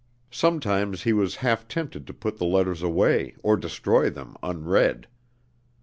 Sometimes he was half tempted to put the letters away or destroy them, unread.